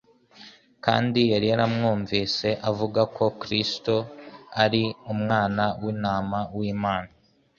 kandi yari yaramwumvise avuga ko Kristo ari Umwana w'intama w'Imana.